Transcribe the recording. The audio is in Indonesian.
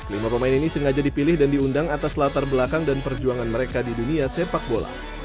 lima pemain ini sengaja dipilih dan diundang atas latar belakang dan perjuangan mereka di dunia sepak bola